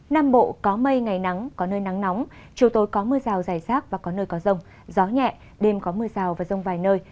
nam bộ có mây ngày nắng có nơi nắng nóng chiều tối có mưa rào dài rác và có nơi có rông gió nhẹ đêm có mưa rào và rông vài nơi